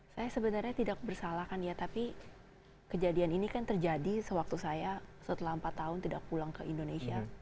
saya sebenarnya tidak bersalahkan ya tapi kejadian ini kan terjadi sewaktu saya setelah empat tahun tidak pulang ke indonesia